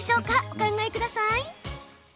お考えください。